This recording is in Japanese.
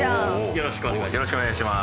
よろしくお願いします。